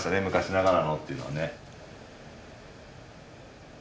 昔ながらのっていうのはね。